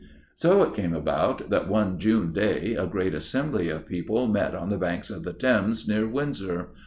So it came about that one June day a great assembly of people met on the banks of the Thames near Windsor.